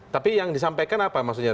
tapi yang disampaikan apa maksudnya